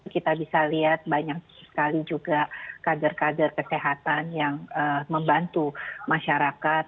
kita bisa lihat banyak sekali juga kader kader kesehatan yang membantu masyarakat